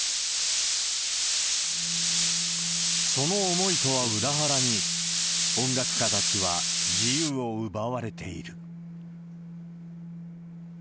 その思いとは裏腹に、音楽家たちは自由を奪われている。